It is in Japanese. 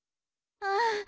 ああ。